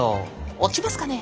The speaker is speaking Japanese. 落ちますかね？